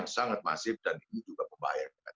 sangat masif dan ini juga membahayakan